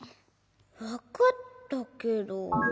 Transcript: わかったけど。